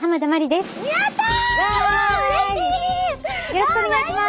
よろしくお願いします。